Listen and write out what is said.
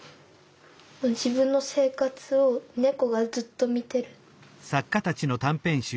自分の生活を猫がずっと見てる。